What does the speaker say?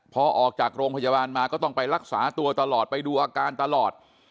พอออกจากโรงพยาบาลมาก็ต้องไปรักษาตัวตลอดไปดูอาการตลอด